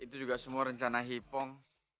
itu juga semua rencana hipong